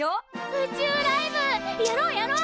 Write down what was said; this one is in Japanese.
宇宙ライブやろうやろう！